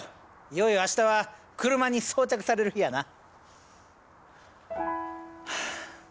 いよいよ明日は車に装着される日やな。